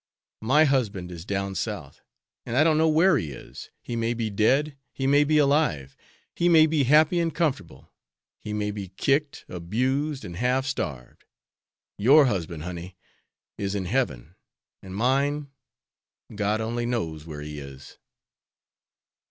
My husband is down South, and I don't know where he is; he may be dead; he may be alive; he may be happy and comfortable; he may be kicked, abused and half starved. Your husband, honey, is in heaven; and mine God only knows where he is!"